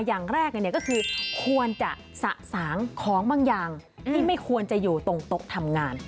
อย่างแรกก็คือควรจะสะสางของบางอย่างที่ไม่ควรจะอยู่ตรงโต๊ะทำงาน